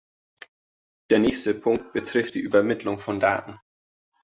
Der nächste Punkt betrifft die Übermittlung von Daten.